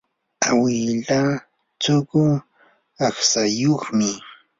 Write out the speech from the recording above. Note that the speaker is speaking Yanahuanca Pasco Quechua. awilaa suqu aqtsayuqmi.